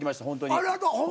ありがとう。